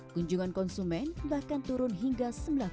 kunjungan konsumen bahkan turun hingga sembilan puluh